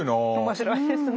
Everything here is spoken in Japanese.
面白いですね。